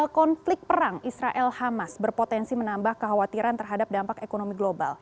konflik perang israel hamas berpotensi menambah kekhawatiran terhadap dampak ekonomi global